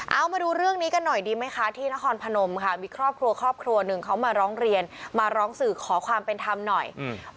เอามาดูเรื่องนี้กันหน่อยดีไหมคะที่นครพนมค่ะมีครอบครัวครอบครัวหนึ่งเขามาร้องเรียนมาร้องสื่อขอความเป็นธรรมหน่อยอืม